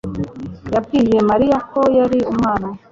yabwiye mariya ko yari umwana